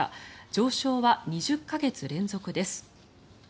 上昇は２０か月連続です。